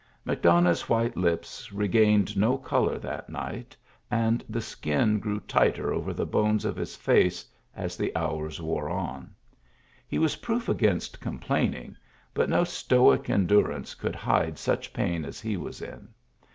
McDonough's white lips regained no color that night, and the skin drew tighter over the bones of his face as the hours wore on. He was proof against complaining, but no stoic endurance could hide such pain as he was in.